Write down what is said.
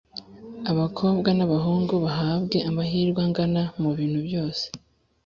abakobwa n’abahungu bahabwe amahirwe angana mu bintu byose.